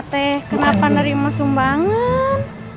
teh kenapa nerima sumbangan